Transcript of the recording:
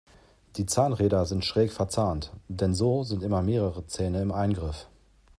Die Zahnräder sind schräg verzahnt, denn so sind immer mehrere Zähne im Eingriff.